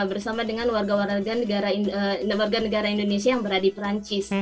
bersama dengan warga warga negara indonesia yang berada di perancis